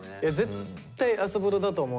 絶対朝風呂だと思うよ。